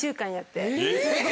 え！